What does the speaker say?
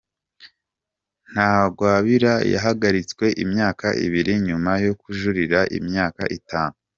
Ntagwabira yahagaritswe imyaka ibiri nyuma yo kujuririra imyaka itanu.